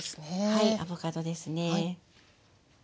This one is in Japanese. はいアボカドですね。